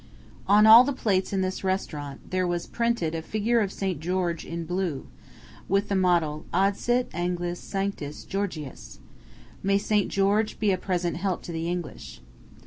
On all the plates in this restaurant there was printed a figure of St. George in blue, with the motto, "Adsit Anglis Sanctus Georgius" "May St. George be a present help to the English."